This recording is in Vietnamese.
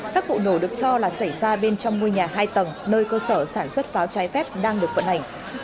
các vụ nổ được cho là xảy ra bên trong ngôi nhà hai tầng nơi cơ sở sản xuất pháo trái phép đang được vận hành